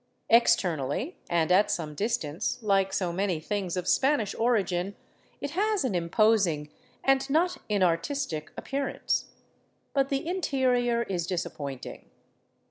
Ex ternally, and at some distance, like so many things of Spanish origin, it has an imposing and not inartistic appearance. But the interior is disappointing.